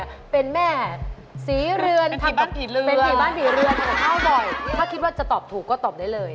จะบอกว่าซื้อบ่อยทำกับข้าว